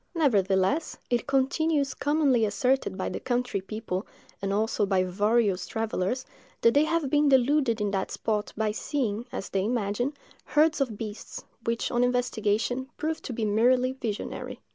Nevertheless, it continues commonly asserted by the country people, and also by various travellers, that they have been deluded in that spot by seeing, as they imagine, herds of beasts, which, on investigation, prove to be merely visionary.